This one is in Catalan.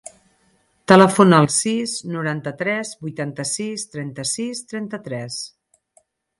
Telefona al sis, noranta-tres, vuitanta-sis, trenta-sis, trenta-tres.